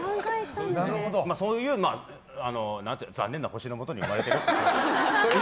そういう残念な星のもとに生まれてるっていう。